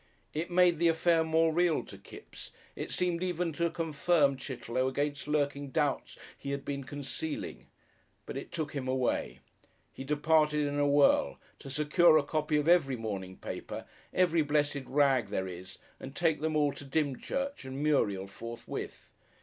It made the affair more real to Kipps; it seemed even to confirm Chitterlow against lurking doubts he had been concealing. But it took him away. He departed in a whirl, to secure a copy of every morning paper, every blessed rag there is, and take them all to Dymchurch and Muriel forthwith.